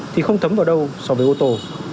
thì không thấm vào đâu so với ô tô